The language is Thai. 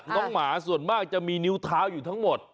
หมาส่วนมากจะมีนิ้วเท้าอยู่ทั้งหมด